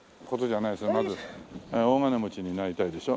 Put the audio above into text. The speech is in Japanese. まず大金持ちになりたいでしょ。